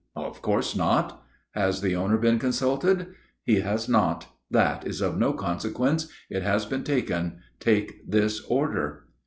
"Of course not." "Has the owner been consulted?" "He has not; that is of no consequence; it has been taken. Take this order."